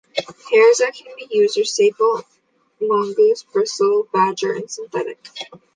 Hairs that can be used are sable, mongoose, bristle, badger and synthetic.